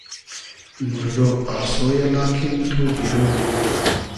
موردۉ آسۉ یۂ لاکین تو گیرۉ نی